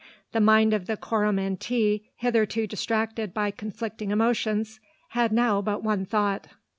The mind of the Coromantee, hitherto distracted by conflicting emotions, had now but one thought.